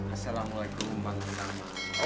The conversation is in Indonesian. assalamualaikum bang sampo